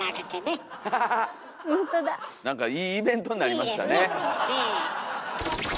なんかいいイベントになりましたね。